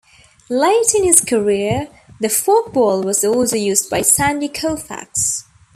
Late in his career, the forkball was also used by Sandy Koufax.